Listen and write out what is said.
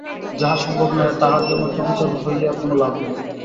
যাহা সম্ভব নহে, তাহার জন্য চঞ্চল হইয়া কোনো লাভ নাই।